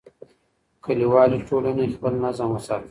کلیوالي ټولنې خپل نظم وساته.